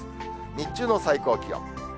日中の最高気温。